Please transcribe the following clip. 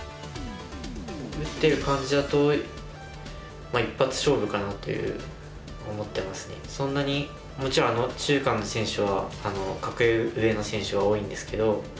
打ってる感じだとそんなにもちろん中韓の選手は格上の選手が多いんですけど。